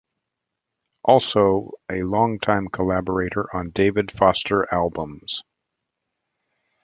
Also a long time Collaborator on David Foster albums.